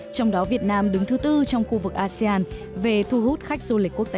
trong đó việt nam đứng thứ tư trong khu vực asean về thu hút khách du lịch quốc tế